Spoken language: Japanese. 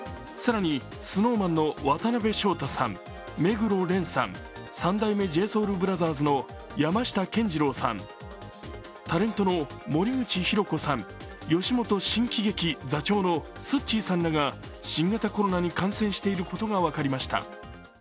更にＳｎｏｗＭａｎの渡辺翔太さん、目黒蓮さん、三代目ＪＳＯＵＬＢＲＯＴＨＥＲＳの山下健二郎さん、タレントの森口博子さん、吉本新喜劇座長のすっちーさんらが新型コロナに感染していることが分かりました。